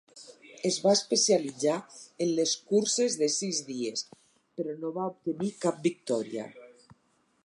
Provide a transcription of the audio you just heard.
Es va especialitzar en les curses de sis dies, però no va obtenir cap victòria.